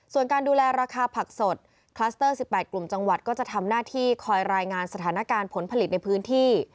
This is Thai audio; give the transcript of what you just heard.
ส่วนการดูแลราคาผักสดคลัสเตอร์๑๘กลุ่มจังหวัดก็จะทำหน้าที่คอยรายงานสถานการณ์ผลผลิตในพื้นที่